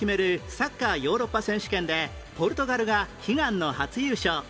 サッカーヨーロッパ選手権でポルトガルが悲願の初優勝